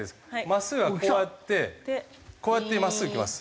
まっすぐはこうやってこうやってまっすぐ来ます。